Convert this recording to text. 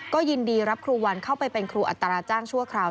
ก็ยินดีรับครูวันเข้าไปเป็นครูอัตราจ้างชั่วคราว